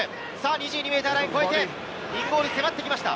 ２２ｍラインを越えてインゴール迫ってきました。